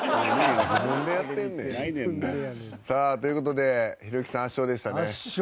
ということで、ひろゆきさん圧勝でしたね。